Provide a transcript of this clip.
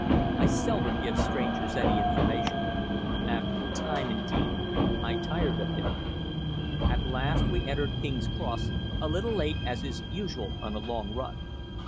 I seldom give strangers any information. After a time, indeed, I tired of him. At last we entered King's Cross a little late, as is usual on a long run.